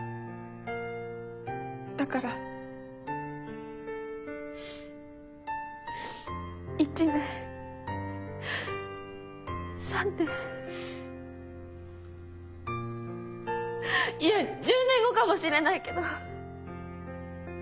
だから１年３年いえ１０年後かもしれないけど。